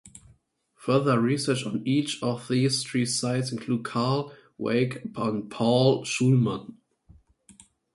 Further research on each of these three sites included Karl Weick and Paul Schulman.